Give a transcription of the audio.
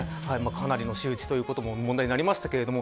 かなりの仕打ちということで問題になりました。